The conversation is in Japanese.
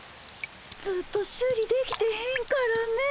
ずっと修理できてへんからねえ。